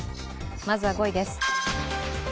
まずは、５位です。